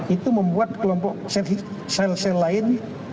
itu membuat kelompok sel sel lain